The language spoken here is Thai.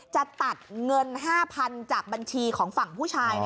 จะตัดเงิน๕๐๐๐จากบัญชีของฝั่งผู้ชาย